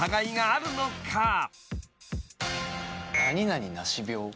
「何々なし病」？